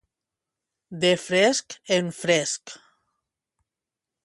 De fresc en fresc.